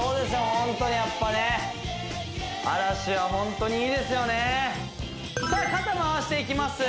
ホントにやっぱね嵐はホントにいいですよねさあ肩回していきます